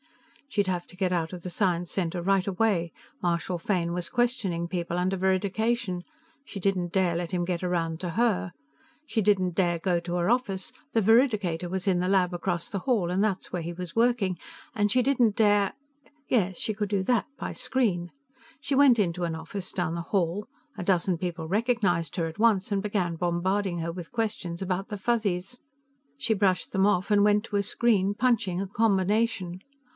She'd have to get out of the Science Center right away. Marshal Fane was questioning people under veridication; she didn't dare let him get around to her. She didn't dare go to her office; the veridicator was in the lab across the hall, and that's where he was working. And she didn't dare Yes, she could do that, by screen. She went into an office down the hall; a dozen people recognized her at once and began bombarding her with questions about the Fuzzies. She brushed them off and went to a screen, punching a combination.